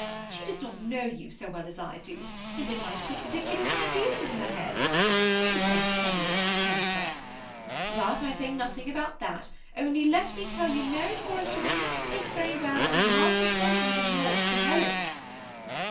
She does not know you so well as I do, and it might put ridiculous ideas into her head; — and then Teviot's temper. But that I say 138 THE SEMI ATTACHED COUPLE. nothing about ; only let me tell you Mary Forrester will not take very well any marked attentions of yours to Helen."